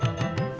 ya udah aku tunggu